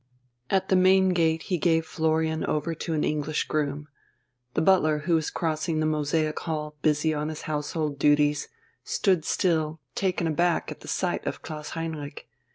At the main gate he gave Florian over to an English groom. The butler, who was crossing the mosaic hall busy on his household duties, stood still, taken aback at the sight of Klaus Heinrich.